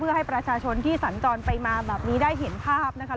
เพื่อให้ประชาชนที่สัญจรไปมาแบบนี้ได้เห็นภาพนะคะ